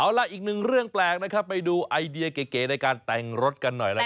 เอาล่ะอีกหนึ่งเรื่องแปลกนะครับไปดูไอเดียเก๋ในการแต่งรถกันหน่อยนะครับ